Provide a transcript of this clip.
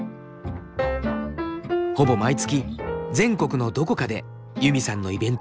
ほぼ毎月全国のどこかでユミさんのイベントが開かれているのだ。